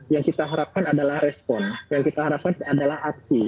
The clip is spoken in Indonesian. yang kita harapkan adalah respon yang kita harapkan adalah aksi